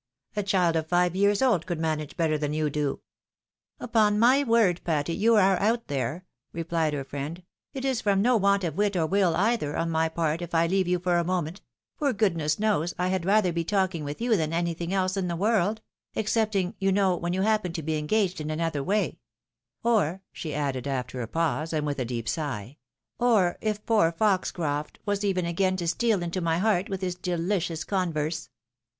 " A child of five years old could manage better than you do I" " Upon my word, Patty, you are out there," replied her friend ;" it is from no want of wit or will either, on my part, if I leave you for a moment ; for, goodness knows, I had rather be talking with you than anything else in the world — excepting, you know, when you happen to be engaged in another way ; or," she added after a pause, and with a deep sigh —" or if poor Foxcroft was even again to steal into my heart with his dehcious converse."